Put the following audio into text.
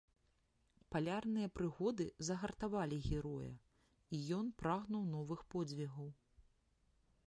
Палярныя прыгоды загартавалі героя, і ён прагнуў новых подзвігаў.